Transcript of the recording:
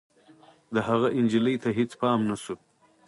د هغه نجلۍ ته هېڅ پام نه شو.